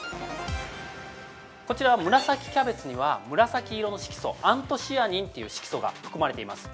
◆こちらの紫キャベツには紫色の色素アントシアニンという色素が含まれています。